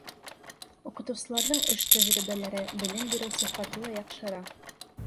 Уҡытыусыларҙың эш тәжрибәләре, белем биреү сифаты ла яҡшыра.